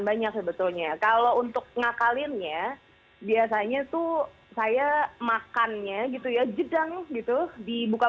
banyak sebetulnya kalau untuk ngakalin ya biasanya tuh saya makannya gitu ya jedang gitu di buka